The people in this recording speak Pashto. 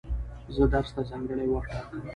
زه درس ته ځانګړی وخت ټاکم.